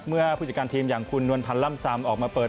ผู้จัดการทีมอย่างคุณนวลพันธ์ล่ำซำออกมาเปิด